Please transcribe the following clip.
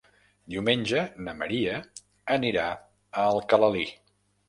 Diumenge na Maria anirà a Alcalalí.